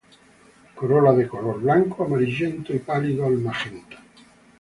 Corola de color blanco amarillento y pálido al magenta.